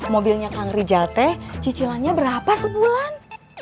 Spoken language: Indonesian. mobilnya kang rijal teh cicilannya berapa sebulan